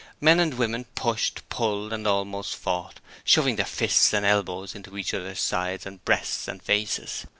Men and women pushed, pulled and almost fought, shoving their fists and elbows into each other's sides and breasts and faces.